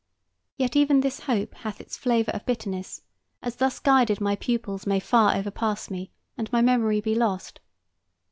Yet even this hope hath its flavor of bitterness, as thus guided my pupils may far overpass me and my memory be lost.